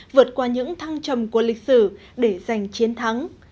vượt qua những thăng trầm của lịch sử để giành chiến thắng